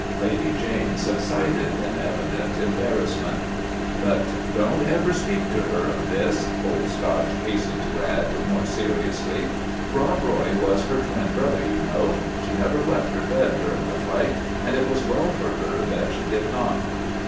Lady Jane subsided in evident embarrassment. " But don't ever speak to her of this," Old Scotch hastened to add, more seriously. " Rob Roy was her twin brother, you know. She never left her bed during the fight, and it was well for her that she did not.